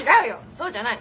そうじゃない。